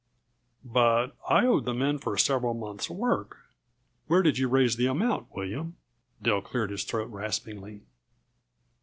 "But I owed the men for several months' work. Where did you raise the amount, William?" Dill cleared his throat raspingly.